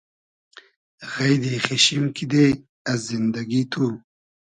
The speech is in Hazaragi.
غݷدی خیچشیم کیدې از زیندئگی تو